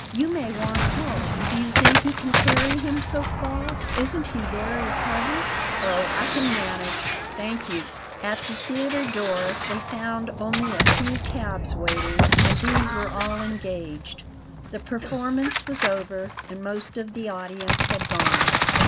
You may want help. Do you think you can carry him so far? Isn't he very heavy?" "Oh, I can manage, thank you." At the theatre door they found only a few cabs waiting, and these were all engaged. The performance was over, and most of the audience had gone.